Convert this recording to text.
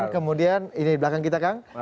kemudian ini di belakang kita kang